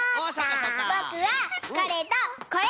ぼくはこれとこれ。